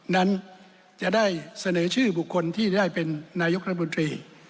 นั้นจะได้เสนอชื่อบุคคลที่ได้เป็นนายกรัฐมนตรี